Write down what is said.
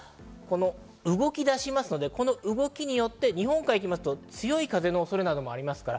後半は動きだしますので、動きによって日本海にいきますと強い風の恐れもあります。